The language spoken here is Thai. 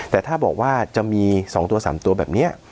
แต่ถ้าบอกว่าจะมีสองตัวสามตัวแบบเนี่ย